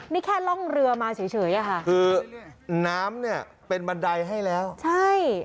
นี่แค่ล่องเรือมาเฉยเฉยอะค่ะคือน้ำเนี่ยเป็นบันไดให้แล้วใช่